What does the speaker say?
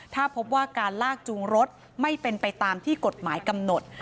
ถ้าพบว่าการลากจูงรถไม่เป็นไปตามที่กฎหมายกำหนด